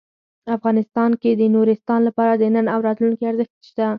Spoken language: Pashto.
افغانستان کې د نورستان لپاره د نن او راتلونکي ارزښت شته.